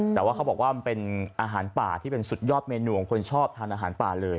แต่ว่าเขาบอกว่ามันเป็นอาหารป่าที่เป็นสุดยอดเมนูของคนชอบทานอาหารป่าเลย